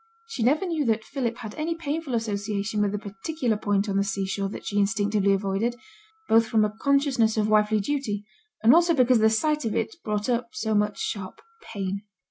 She never knew that Philip had any painful association with the particular point on the sea shore that she instinctively avoided, both from a consciousness of wifely duty, and also because the sight of it brought up so much sharp pain.